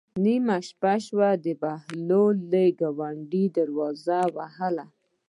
نیمه شپه شوه د بهلول ګاونډي دروازه ووهله.